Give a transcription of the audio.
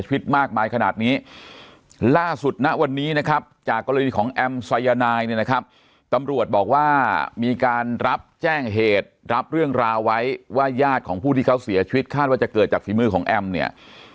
ชีวิตคาดว่าจะเกิดจากฝีมือของแอมเนี่ย